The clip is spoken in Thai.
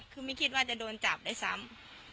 คือไม่คิดว่าจะโดนจับด้วยซ้ำ